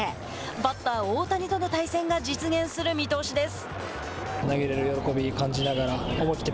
バッター大谷との対戦が実現する見通しです。